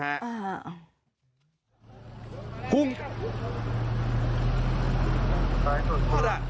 อ่าฮะ